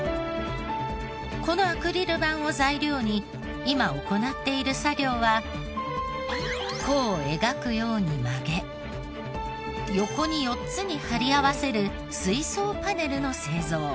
このアクリル板を材料に今行っている作業は弧を描くように曲げ横に４つに貼り合わせる水槽パネルの製造。